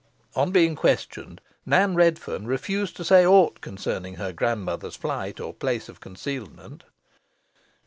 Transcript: On being questioned, Nan Redferne refused to say aught concerning her grandmother's flight or place of concealment.